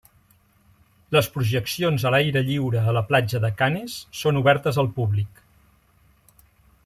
Les projeccions a l'aire lliure a la platja de Canes són obertes al públic.